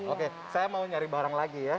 oke saya mau nyari barang lagi ya